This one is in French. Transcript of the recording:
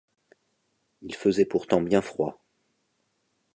Il faisait pourtant bien froid.